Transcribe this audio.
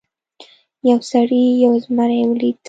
یو سړي یو زمری ولید.